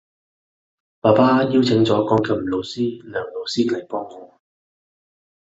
爸爸邀請咗鋼琴老師梁老師嚟幫我